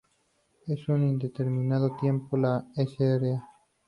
En un indeterminado tiempo la Sra.